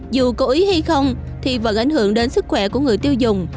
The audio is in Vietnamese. dù cố ý hay không thì vẫn ảnh hưởng đến sức khỏe của người tiêu dùng